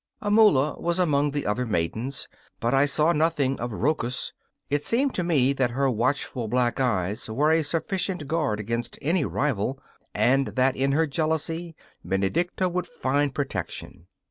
Amula was among the other maidens, but I saw nothing of Rochus. It seemed to me that her watchful black eyes were a sufficient guard against any rival, and that in her jealousy Benedicta would find protection.